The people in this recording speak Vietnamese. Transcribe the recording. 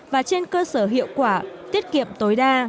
và trên cơ sở hiệu quả tiết kiệm tối đa